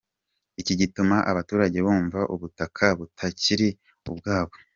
Iki gituma abaturage bumva ubutaka butakiri ubwabo.